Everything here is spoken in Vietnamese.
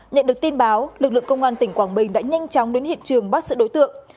nhận được tin báo lực lượng công an tỉnh quảng bình đã nhanh chóng đến hiện trường bắt giữ đối tượng